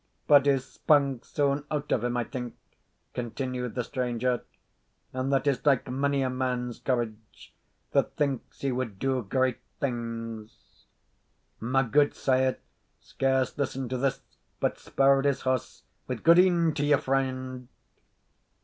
"But his spunk's soon out of him, I think," continued the stranger, "and that is like mony a man's courage, that thinks he wad do great things." My gudesire scarce listened to this, but spurred his horse, with "Gude e'en to you, freend."